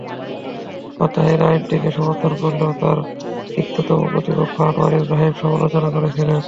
Mahathir আইনটিকে সমর্থন করলেও তাঁর তিক্ততম প্রতিপক্ষ আনোয়ার ইব্রাহিম সমালোচনা করেছিলেন।